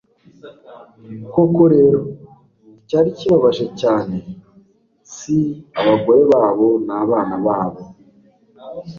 koko rero, icyari kibabaje cyane si abagore babo, n'abana babo